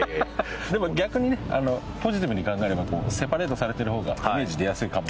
でも逆にねポジティブに考えればセパレートされてる方がイメージ出やすいかもしれない。